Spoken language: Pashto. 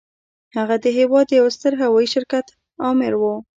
هغه د هېواد د يوه ستر هوايي شرکت آمر و.